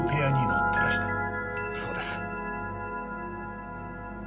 そうです。